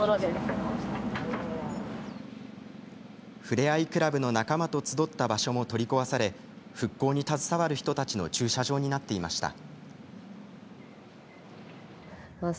ふれあいクラブの仲間と集った場所も取り壊され復興に携わる人たちの駐車場になっていました。